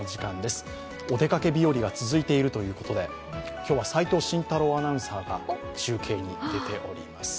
お出かけ日和が続いているということで今日は齋藤慎太郎アナウンサーが中継に出ております。